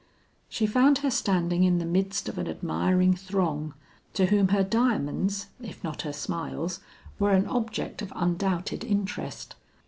She found her standing in the midst of an admiring throng to whom her diamonds, if not her smiles, were an object of undoubted interest.